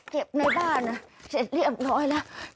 เก็บในบ้านเสร็จเรียบร้อยแล้ว